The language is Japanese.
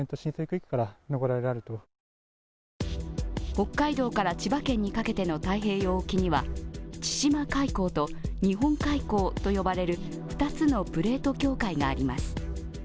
北海道から千葉県にかけての太平洋側には千島海溝と日本海溝と呼ばれる２つのプレート境界があります。